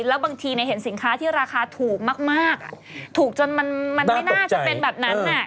แล้วบางทีเห็นสินค้าที่ราคาถูกมากถูกจนมันไม่น่าจะเป็นแบบนั้น